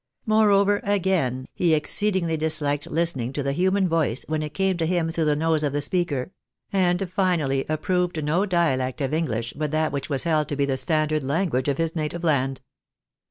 Moreover, again, he exceedingly dis liked Ustening to the human voice, when it came to him througli the nose of the speaker ; and finally, approved no dialect of Enghsh, bnt that which was held to be the standard language of his native land.